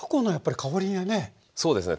そうですね。